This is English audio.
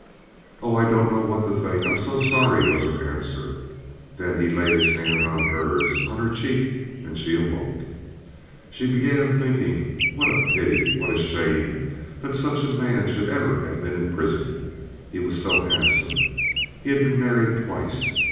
"Oh, I don't know what to think. I'm so sorry," was her answer. Then he laid his hand on hers, on her cheek, and she awoke. She began thinking, what a pity, what a shame that such a man should ever have been in prison. He was so handsome. He had been married twice.